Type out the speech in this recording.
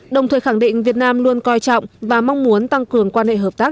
đồng thời khẳng định việt nam luôn coi trọng và mong muốn tăng cường quan hệ hợp tác